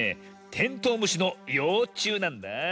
テントウムシのようちゅうなんだあ。